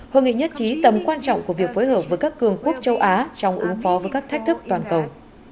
hội nghị nhất trí tầm quan trọng của việc phối hợp với các cường quốc châu á trong ứng phó với các thách thức toàn cầu